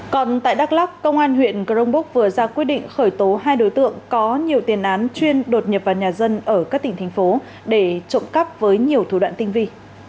còn tại đắk lắk công an huyện cờ rông bốc vừa ra quy định khởi tố hai đối tượng có nhiều tiền án chuyên đột nhập vào nhà dân ở các tỉnh thành phố để trộm cắp với nhiều thủ đoạn tinh vi